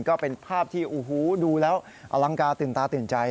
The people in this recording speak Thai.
ก็เป็นภาพที่ดูแล้วอลังกาตื่นตาตื่นใจ